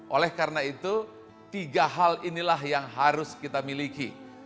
oleh karena itu tiga hal inilah yang harus kita miliki